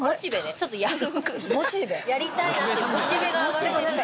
ちょっとやろうかな、やりたいな、モチベが上がってるので。